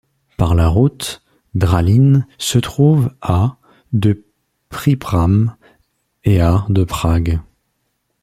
Par la route, Drahlín se trouve à de Příbram et à de Prague.